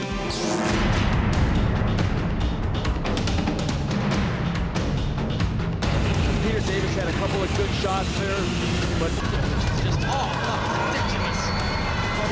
และพวกมันทรงทุกตอนพวกมันหลบไปแล้ว